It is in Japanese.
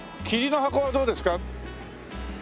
桐の箱はどうですか？